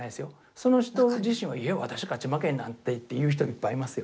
その人自身は「いえ私勝ち負けなんて」って言う人いっぱいいますよ。